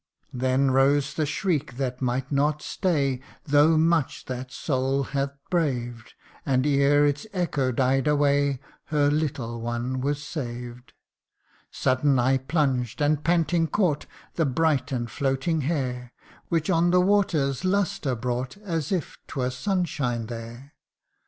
Then rose the shriek that might not stay, Though much that soul had braved ; And ere its echo died away, Her little one was saved. 94 THE UNDYING ONE. Sudden I plunged, and panting caught The bright and floating hair, Which on the waters lustre brought, As if 'twere sunshine there.